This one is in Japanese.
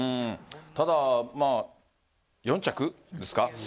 ただ、４着ですか。